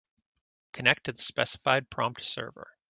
Connect to the specified prompt server.